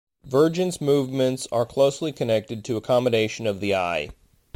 Vergence movements are closely connected to accommodation of the eye.